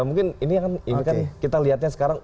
mungkin ini kan kita lihatnya sekarang